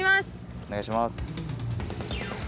おねがいします。